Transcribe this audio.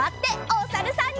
おさるさん。